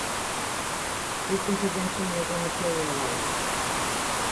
This intervention never materialised.